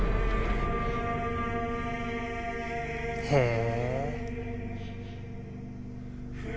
へえ。